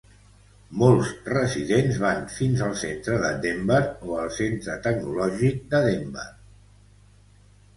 Molts residents van fins al centre de Denver o al centre tecnològic de Denver.